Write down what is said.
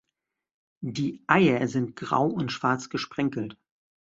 Die Eier sind grau und schwarz gesprenkelt.